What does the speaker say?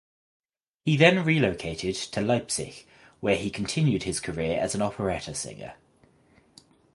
He then relocated to Leipzig where he continued his career as an operetta singer.